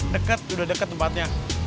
deket udah deket tempatnya